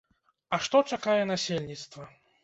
А што чакае насельніцтва?